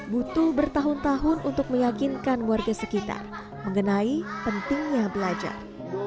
butuh bertahun tahun untuk meyakinkan warga sekitar mengenai pentingnya belajar